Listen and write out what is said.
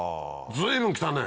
随分来たね！